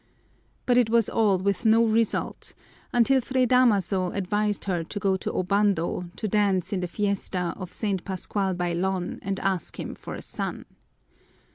But it was all with no result until Fray Damaso advised her to go to Obando to dance in the fiesta of St. Pascual Bailon and ask him for a son.